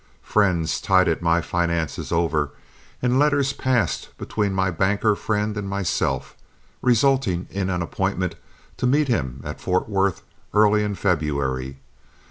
Friends tided my finances over, and letters passed between my banker friend and myself, resulting in an appointment to meet him at Fort Worth early in February.